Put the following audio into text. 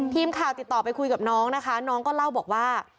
ทีมข่าวติดต่อไปคุยกับน้องนะคะน้องก็เล่าบอกว่า